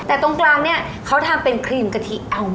แต่ตรงกลางเนี่ยเขาทำเป็นครีมกะทิเอามา